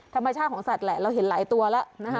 ธรรมชาติของสัตว์แหละเราเห็นหลายตัวแล้วนะคะ